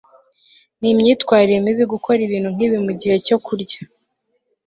Ni imyitwarire mibi gukora ibintu nkibi mugihe cyo kurya